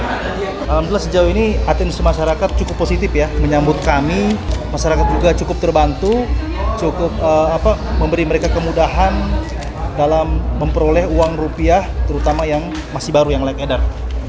alhamdulillah sejauh ini atensi masyarakat cukup positif ya menyambut kami masyarakat juga cukup terbantu cukup memberi mereka kemudahan dalam memperoleh uang rupiah terutama yang masih baru yang layak edar